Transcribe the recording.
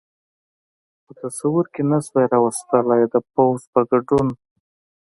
په تصور کې نه شوای را وستلای، د پوځ په ګډون.